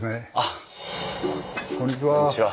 こんにちは。